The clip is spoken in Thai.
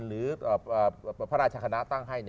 หรือพระราชคณะตั้งให้